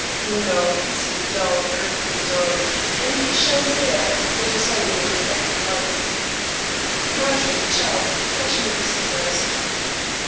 'No, he's a dull, earthly dog; and if he shines here, it is only in reflected light' 'Margery, child, fetch me the scissors.'